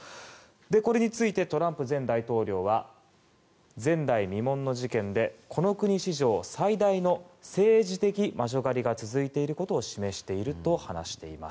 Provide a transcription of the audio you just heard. これについてトランプ前大統領は前代未聞の事件でこの国史上最大の政治的魔女狩りが続いていることを示していると話しています。